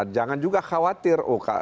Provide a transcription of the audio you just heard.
jangan juga khawatir